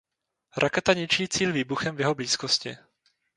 Raketa ničí cíl výbuchem v jeho blízkosti.